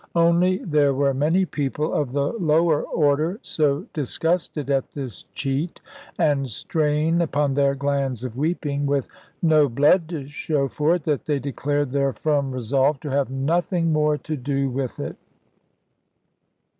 Only there were many people, of the lower order, so disgusted at this cheat, and strain upon their glands of weeping, with no blood to show for it, that they declared their firm resolve to have nothing more to do with it.